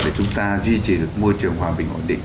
để chúng ta duy trì được môi trường hòa bình ổn định